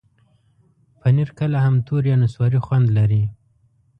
پنېر کله هم تور یا نسواري خوند لري.